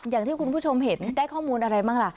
อย่างที่คุณผู้ชมเห็นได้ข้อมูลอะไรบ้างล่ะ